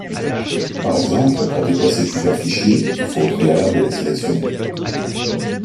Par exemple, pour déplacer plusieurs fichiers, il faut au préalable les sélectionner.